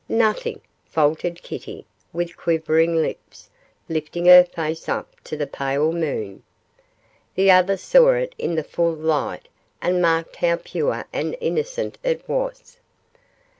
'Nothing,' faltered Kitty, with quivering lips, lifting her face up to the pale moon. The other saw it in the full light and marked how pure and innocent it was.